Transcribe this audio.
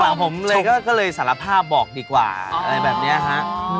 หลังผมเลยก็เลยสารภาพบอกดีกว่าอะไรแบบนี้ฮะ